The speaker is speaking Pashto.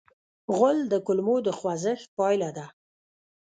غول د کولمو د خوځښت پایله ده.